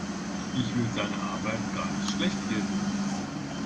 Ich will seine Arbeit gar nicht schlechtreden.